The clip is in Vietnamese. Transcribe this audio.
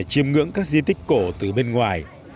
chìm ngưỡng các di tích cổ từ bên ngoài